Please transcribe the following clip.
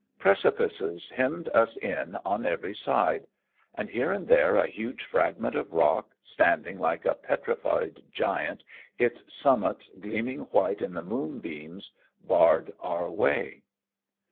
Precipices hemmed us in on every side; and here and there a huge fragment of rock, standing like a petrified giant, its summit gleaming white in the moonbeams, barred our way.